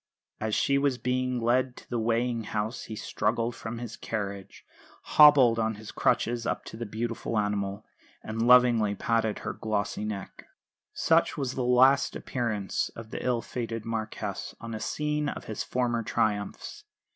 As she was being led to the weighing house he struggled from his carriage, hobbled on his crutches up to the beautiful animal, and lovingly patted her glossy neck. Such was the last appearance of the ill fated Marquess on a scene of his former triumphs.